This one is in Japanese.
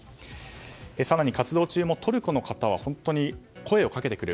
更に、活動中もトルコの方は本当に声をかけてくれる。